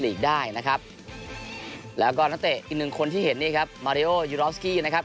อีกหนึ่งคนที่เห็นนี่ครับมาริโอยูโรฟสกี้นะครับ